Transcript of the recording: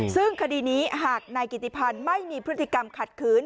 ซึ่งคดีนี้หากนายกิติพันธ์ไม่มีพฤติกรรมขัดขืน